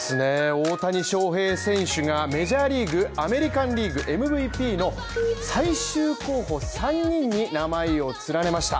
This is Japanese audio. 大谷翔平選手がメジャーリーグ、アメリカンリーグＭＶＰの最終候補３人に名前を連ねました。